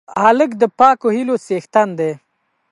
هلک د پاکو هیلو څښتن دی.